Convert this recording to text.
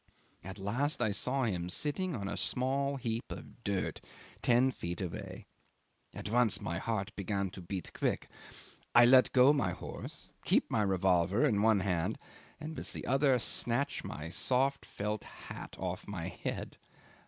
At last I saw him sitting on a small heap of dirt ten feet away. At once my heart began to beat quick. I let go my horse, keep my revolver in one hand, and with the other snatch my soft felt hat off my head.